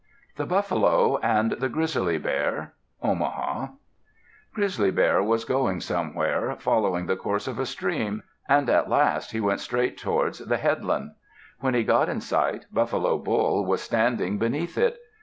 THE BUFFALO AND THE GRIZZLY BEAR Omaha Grizzly Bear was going somewhere, following the course of a stream, and at last he went straight towards the headland. When he got in sight, Buffalo Bull was standing beneath it.